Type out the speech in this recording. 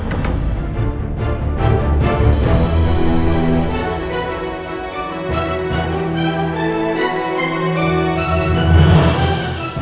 cepet kalian naik